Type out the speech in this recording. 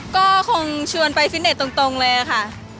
ก็คงชวนไปฟิตเน็ตตรงเลยค่ะ